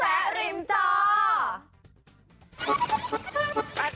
โอ้โฮนึกว่ามีแต่ศิลปินเกาหลีเท่านั้น